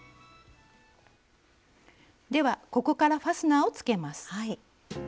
ではここからファスナーをつけます。